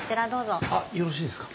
あよろしいですか？